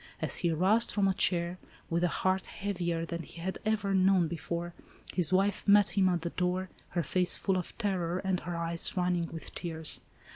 As he arose from a chair, with a heart heavier than he had ever known before, his wife met him at the door, her face full of terror, and her eyes running with tears.